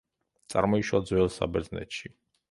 წარმოიშვა ძველ საბერძნეთში.